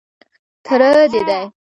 _تره دې دی.